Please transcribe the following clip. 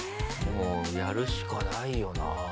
もうやるしかないよなあ。